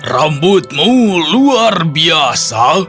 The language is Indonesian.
rambutmu luar biasa